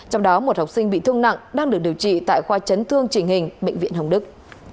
trong đó một học sinh bị thương nặng đang được điều trị tại khoa chấn thương chỉnh hình bệnh viện hồng đức